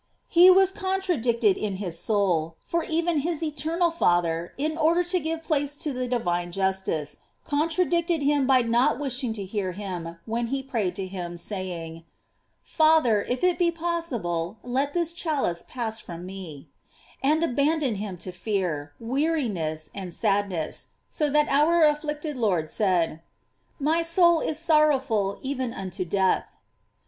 "* He was contradict ed in his eoul, for even his eternal Father, in or der to give place to the divine justice, contra dicted him by not wishing to hear him when he prayed to him, saying: "Father, if it be possi ble, let this chalice pass from me;"f and aban doned him to fear, weariness, and sadness, so that our afflicted Lord said: "My soul is sorrow ful even unto death."